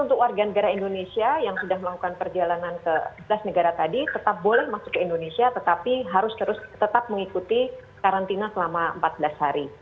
untuk warga negara indonesia yang sudah melakukan perjalanan ke sebelas negara tadi tetap boleh masuk ke indonesia tetapi harus terus tetap mengikuti karantina selama empat belas hari